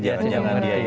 jangan jangan dia ya